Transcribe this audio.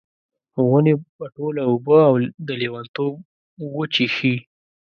ونې به ټوله اوبه، د لیونتوب وچیښي